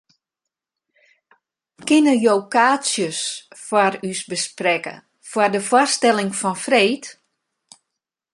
Kinne jo kaartsjes foar ús besprekke foar de foarstelling fan freed?